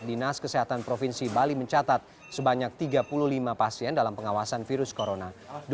dinas kesehatan provinsi bali mencatat sebanyak tiga puluh lima pasien dalam pengawasan virus corona